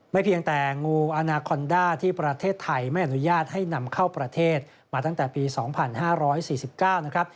เพียงแต่งูอาณาคอนด้าที่ประเทศไทยไม่อนุญาตให้นำเข้าประเทศมาตั้งแต่ปี๒๕๔๙นะครับ